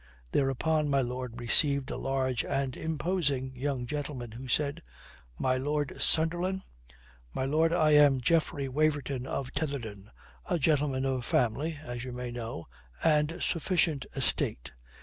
Thereupon my lord received a large and imposing young gentleman, who said: "My Lord Sunderland? My lord, I am Geoffrey Waverton of Tetherdown, a gentleman of family (as you may know) and sufficient estate.